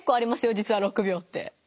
じつは６秒って。